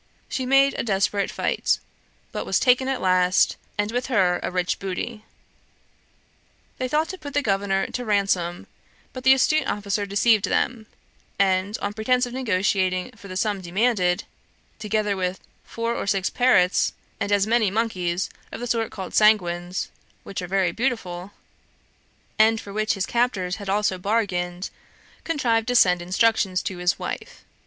She made a desperate fight, but was taken at last, and with her a rich booty. They thought to put the governor to ransom but the astute official deceived them, and, on pretence of negotiating for the sum demanded, together with "four or six parrots, and as many monkeys of the sort called sanguins, which are very beautiful," and for which his captors had also bargained, contrived to send instructions to his wife.